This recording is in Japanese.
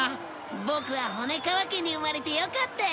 ボクは骨川家に生まれてよかったよ。